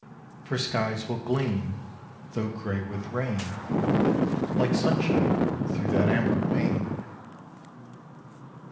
For skies will gleam, though gray with rain, Like sunshine through that amber pane.